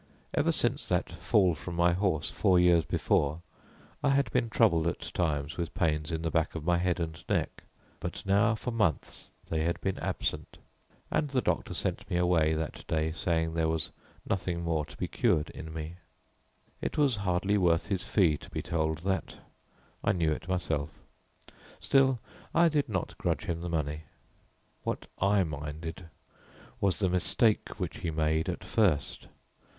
Ever since that fall from my horse, four years before, I had been troubled at times with pains in the back of my head and neck, but now for months they had been absent, and the doctor sent me away that day saying there was nothing more to be cured in me. It was hardly worth his fee to be told that; I knew it myself. Still I did not grudge him the money. What I minded was the mistake which he made at first.